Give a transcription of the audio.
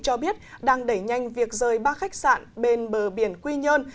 cho biết đang đẩy nhanh việc rời ba khách sạn bên bờ biển quy nhơn